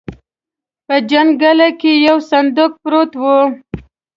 په جنګله کې يو صندوق پروت و.